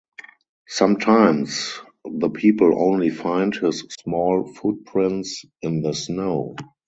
Sometimes the people only find his small footprints in the snow.